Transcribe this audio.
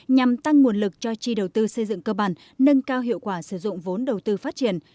nhằm tăng nguồn lực cho chi đầu tư xây dựng cơ bản nâng cao hiệu quả sử dụng vốn đầu tư phát triển